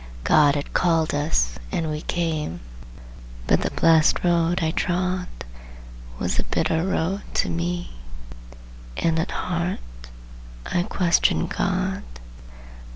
God had called us, and we came, But the blessed road I trod Was a bitter road to me, And at heart I questioned God.